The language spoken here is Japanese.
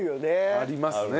ありますね。